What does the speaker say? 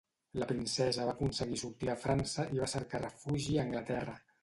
La princesa va aconseguir sortir de França i va cercar refugi a Anglaterra.